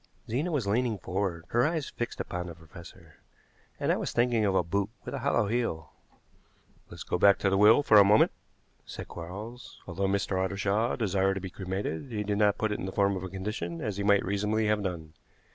Zena was leaning forward, her eyes fixed upon the professor, and I was thinking of a boot with a hollow heel. "Let's go back to the will for a moment," said Quarles. "Although Mr. Ottershaw desired to be cremated, he did not put it in the form of a condition, as he might reasonably have done.